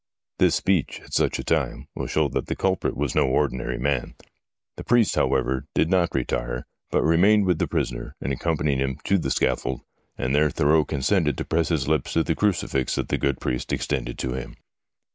This speech at such a time will show that the culprit was no ordinary man. The priest, however, did not retire, but remained with the prisoner and accompanied him to the scaffold, and there Thurreau consented to press his lips to the crucifix that the good priest extended to him.